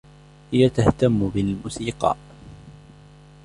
.هي تهتم بالموسيقى